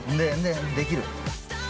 ◆できる。